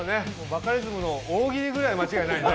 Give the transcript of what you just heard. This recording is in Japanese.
バカリズムの大喜利ぐらい間違いないね。